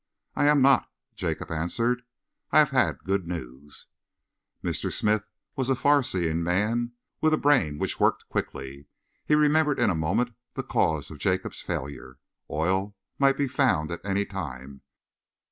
"I am not," Jacob answered. "I have had good news." Mr. Smith was a farseeing man, with a brain which worked quickly. He remembered in a moment the cause of Jacob's failure. Oil might be found at any time!